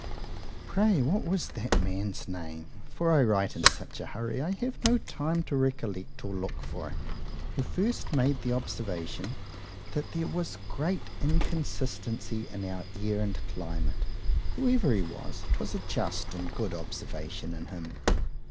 Pray what was that man's name,—for I write in such a hurry, I have no time to recollect or look for it,——who first made the observation, "That there was great inconstancy in our air and climate?" Whoever he was, 'twas a just and good observation in him.